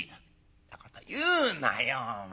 「んなこと言うなよお前。